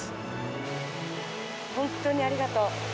本当にありがとう。